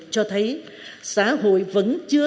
cho thấy xã hội vẫn chưa